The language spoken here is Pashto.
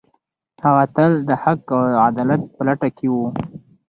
هغه تل د حق او عدالت په لټه کې و.